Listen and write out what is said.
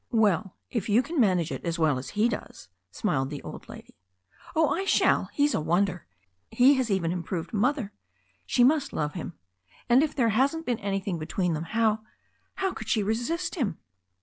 "Well, if you can manage it as well as he does," smiled the old lady. "Oh, I shall. He's a wonder. He has even improved Mother. She must love him! And if there hasn^t been anything between them how — how could she resist him?"